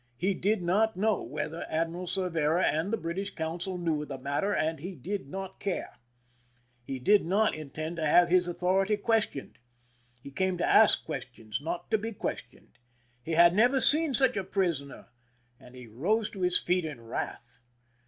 He did not know whether Admiral Cervera and the British consul knew of the matter, and he did not care ; he did not intend to have his authority questioned; he came to ask questions, not to be questioned ; he had never seen such a prisoner— and he rose to his feet in wrath.